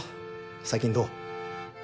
最近どう？